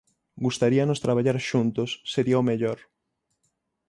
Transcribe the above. Gustaríanos traballar xuntos, sería o mellor.